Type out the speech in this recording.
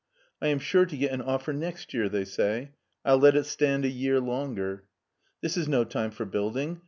" I am sure to get an offer next year," they say ;" I'll let it stand a year longer." " This is no time for building.